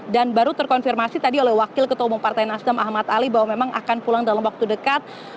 dan baru terkonfirmasi tadi oleh wakil ketua umum partai nasdam ahmad ali bahwa memang akan pulang dalam waktu dekat